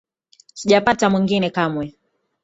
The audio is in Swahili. Sijapata mwingine kamwe.